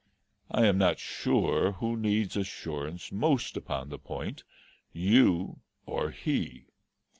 I am not sure who needs assurance most upon the point, you or he.